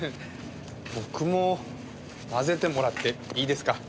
僕も交ぜてもらっていいですか？